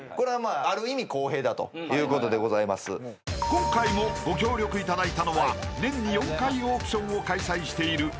［今回もご協力いただいたのは年に４回オークションを開催しているアートマスターズさん］